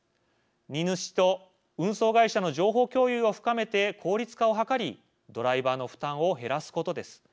荷主と運送会社の情報共有を深めて効率化を図りドライバーの負担を減らすことです。